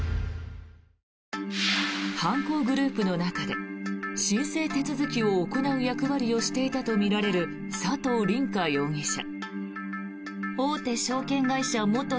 犯行グループの中で申請手続きを行う役割をしていたとみられる佐藤凛果容疑者。